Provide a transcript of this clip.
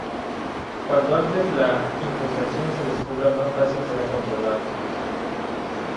Cuanto antes la infestación se descubra, más fácil será controlar.